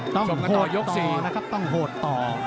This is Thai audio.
ต้องโหดต่อนะครับต้องโหดต่อ